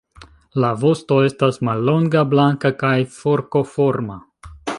La vosto estas mallonga, blanka kaj forkoforma.